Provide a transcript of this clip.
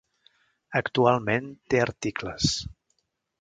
Actualment, té articles.